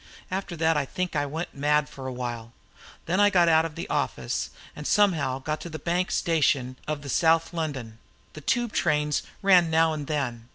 After that I think I went mad for a while. Then I got out of the office, and somehow got to the Bank station of the South London the Tube trains ran now and then.